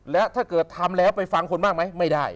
และถ้าเกิดทำแล้วไปฟังคนมากไหมไม่ได้